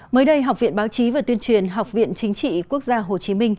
mới đây học viện báo chí và tuyên truyền học viện chính trị quốc gia hồ chí minh